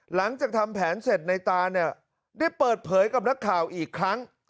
หลังจากทำแผนเสร็จในตานเนี่ยได้เปิดเผยกับนักข่าวอีกครั้ง